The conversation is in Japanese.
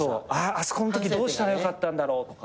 「あそこんときどうしたらよかったんだろう」とか。